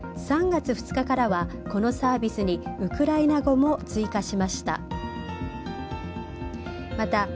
３月２日からはこのサービスにウクライナ語も追加しました。